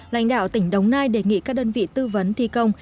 lãnh đạo tỉnh đống nai đề nghị các đơn vị tư vấn thi công